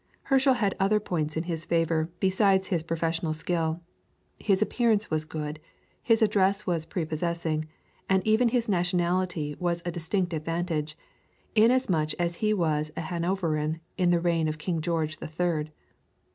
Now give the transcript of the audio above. Herschel had other points in his favour besides his professional skill; his appearance was good, his address was prepossessing, and even his nationality was a distinct advantage, inasmuch as he was a Hanoverian in the reign of King George the Third.